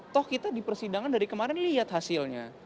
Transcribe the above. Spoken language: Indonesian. toh kita di persidangan dari kemarin lihat hasilnya